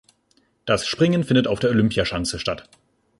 Das Springen findet auf der Olympia-Schanze statt.